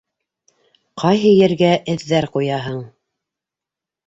Ҡайһы ергә эҙҙәр ҡуяһын...